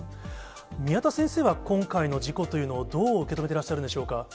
宮田先生は、今回の事故というのをどう受け止めてらっしゃるんでしょうか。